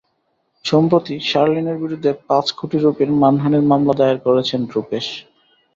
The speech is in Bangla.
সম্প্রতি শার্লিনের বিরুদ্ধে পাঁচ কোটি রুপির মানহানির মামলা দায়ের করেছেন রূপেশ।